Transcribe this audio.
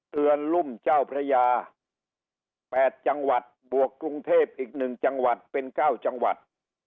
รุ่มเจ้าพระยา๘จังหวัดบวกกรุงเทพอีก๑จังหวัดเป็น๙จังหวัด